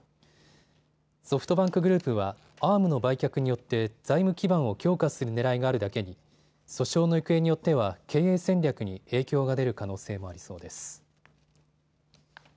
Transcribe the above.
ソフトバンクグループはＡｒｍの売却によって財務基盤を強化するねらいがあるだけに訴訟の行方によっては経営戦略に影響が出る可能性もありそうです。